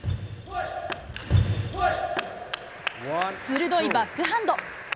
鋭いバックハンド。